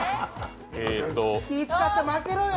気、使って負けろよ。